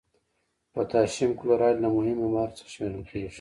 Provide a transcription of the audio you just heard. پوتاشیم کلورایډ له مهمو مالګو څخه شمیرل کیږي.